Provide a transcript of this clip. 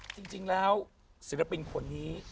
จริงแล้วศิลปินคนนี้